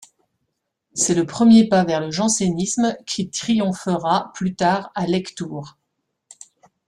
C’est le premier pas vers le jansénisme qui triomphera plus tard à Lectoure.